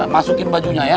masukin bajunya ya